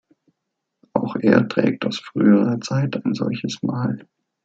Auch er trägt aus früherer Zeit ein solches Mal.